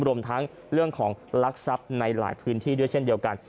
รวมทั้งเรื่องของลักทรัพย์ในหลายพื้นที่ด้วยเช่นเดียวกัน